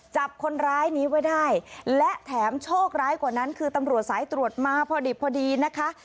จับคนร้ายนี้ไว้ได้และแถมโชคร้ายกว่านั้นคือตำรวจสายตรวจมาพอดิบพอดีนะคะ